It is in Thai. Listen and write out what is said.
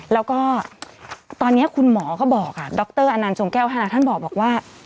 แล้วก็ตอนนี้คุณหมอก็บอกดรอนันต์จงแก้วธนาท่านบอกว่า